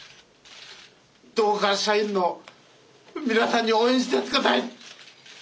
どうか社員の皆さんに応援してやって下さい！